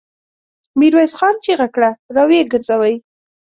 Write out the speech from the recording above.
ميرويس خان چيغه کړه! را ويې ګرځوئ!